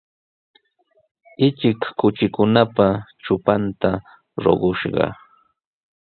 Ichik kuchikunapa trupanta ruqushqa.